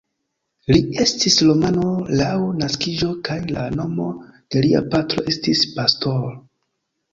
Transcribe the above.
Li estis romano laŭ naskiĝo, kaj la nomo de lia patro estis Pastor.